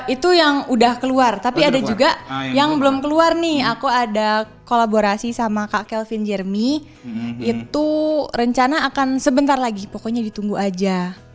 itu yang udah keluar tapi ada juga yang belum keluar nih aku ada kolaborasi sama kak kelvin jermy itu rencana akan sebentar lagi pokoknya ditunggu aja